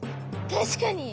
確かに。